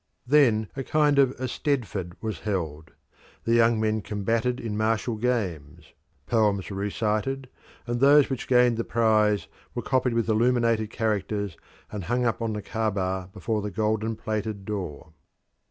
Then a kind of Eisteddfod was held. The young men combated in martial games; poems were recited, and those which gained the prize were copied with illuminated characters and hung up on the Caaba before the golden plated door.